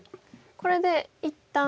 これで一旦。